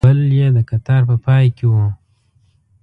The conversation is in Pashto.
بل یې د کتار په پای کې و.